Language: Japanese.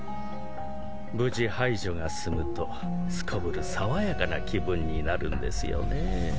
無事排除が済むとすこぶる爽やかな気分になるんですよね。